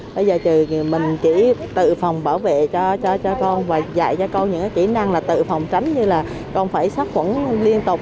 bây giờ trừ mình chỉ tự phòng bảo vệ cho con và dạy cho con những kỹ năng là tự phòng tránh như là con phải sát khuẩn liên tục